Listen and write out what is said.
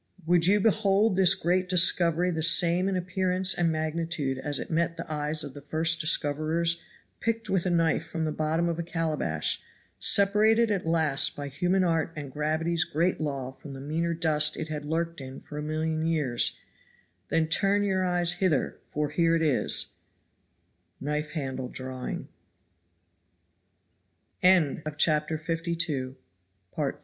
Would you behold this great discovery the same in appearance and magnitude as it met the eyes of the first discoverers, picked with a knife from the bottom of a calabash, separated at last by human art and gravity's great law from the meaner dust it had lurked in for a million years Then turn your eyes hither, for here it is: [Knife handle drawing] CHAPTER LIII. MR. MEADOWS dispatched